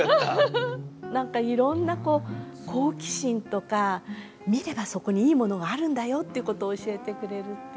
何かいろんなこう好奇心とか見ればそこにいいものがあるんだよっていうことを教えてくれるっていう。